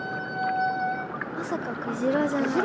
まさかクジラじゃないよね？